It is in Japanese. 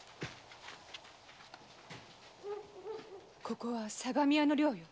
ここは相模屋の寮よ。